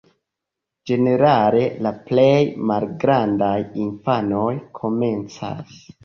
Ĝenerale la plej malgrandaj infanoj komencas.